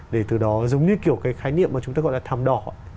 để từ đó giống như kiểu cái khái niệm mà chúng ta gọi là thằm đỏ